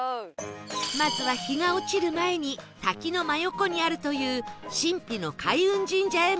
まずは日が落ちる前に滝の真横にあるという神秘の開運神社へ向かう事に